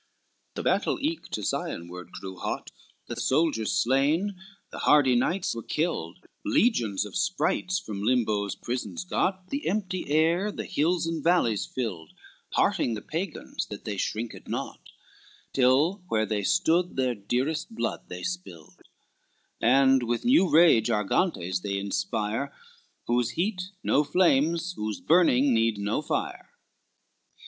LIII The battle eke to Sionward grew hot, The soldiers slain, the hardy knights were killed, Legions of sprites from Limbo's prisons got, The empty air, the hills and valleys filled, Hearting the Pagans that they shrinked not, Till where they stood their dearest blood they spilled; And with new rage Argantes they inspire, Whose heat no flames, whose burning need no fire.